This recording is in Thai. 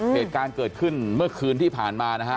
เหตุการณ์เกิดขึ้นเมื่อคืนที่ผ่านมานะฮะ